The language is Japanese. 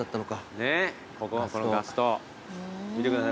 ねっここのこのガス灯。見てください